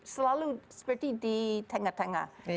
selalu seperti di tengah tengah